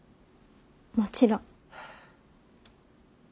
もちろん。